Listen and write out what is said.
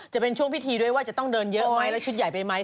จะเป็นช่วงพิธีด้วยว่าจะต้องเดินเยอะไหมแล้วชุดใหญ่ไปไหม